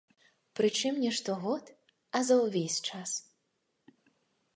Прычым не штогод, а за ўвесь час.